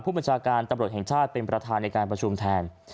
ผู้บัญชาการตำรวจแห่งชาติเป็นประธานในการประชุมแทน